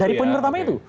dari poin pertama itu